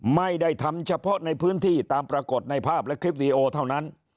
ไม่ได้ทำเฉพาะในพื้นที่ตามปรากฏในภาพและคลิปวีดีโอเท่านั้น